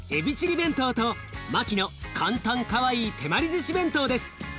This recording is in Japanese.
弁当とマキの簡単かわいい手まりずし弁当です。